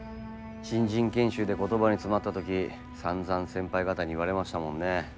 新人研修で言葉に詰まった時さんざん先輩方に言われましたもんね。